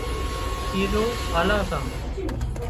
شِيزون آلان سان